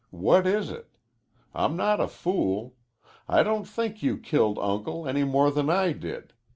What is it? I'm not a fool. I don't think you killed Uncle any more than I did.